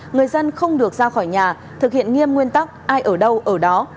người dân không được ra khỏi nhà thực hiện nghiêm nguyên tắc ai ở đâu ở đó